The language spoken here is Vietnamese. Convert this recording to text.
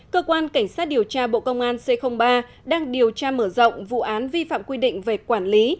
cơ quan cảnh sát điều tra bộ công an c ba đang điều tra mở rộng vụ án vi phạm quy định về quản lý